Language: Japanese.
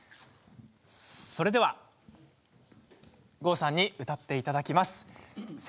それでは、郷ひろみさんに歌っていただきます。